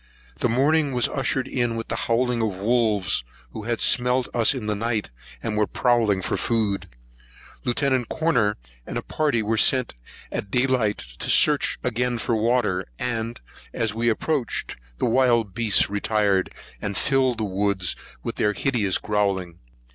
The morning was ushered in with the howling of wolves, who had smelt us in the night, when prowling for food. Lieut. Corner and a party were sent at day light, to search again for water; and, as we approached, the wild beasts retired, and filled the woods with their hideous growling.